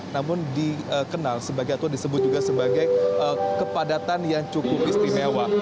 namun dikenal sebagai atau disebut juga sebagai kepadatan yang cukup istimewa